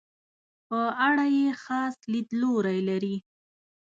په اړه یې خاص لیدلوری لري.